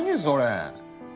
それ。